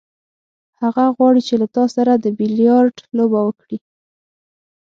هغه غواړي چې له تا سره د بیلیارډ لوبه وکړي.